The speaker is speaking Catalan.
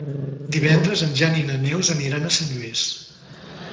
Divendres en Jan i na Neus aniran a Sant Lluís.